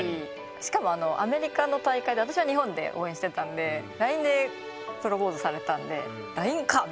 しかもアメリカの大会で私は日本で応援してたんでＬＩＮＥでプロポーズされたんでＬＩＮＥかっ！